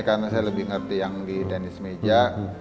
karena saya lebih ngerti yang di tenis meja